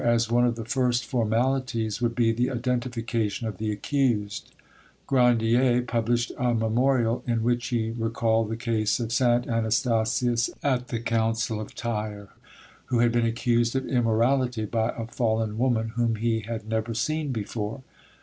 As one of the first formalities would be the identification of the accused, Grandier published a memorial in which he recalled the case of Saint Anastasius at the Council of Tyre, who had been accused of immorality by a fallen woman whom he had never seen before.